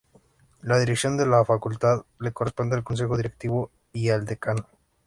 La dirección de la Facultad le corresponde al Consejo Directivo y al decano.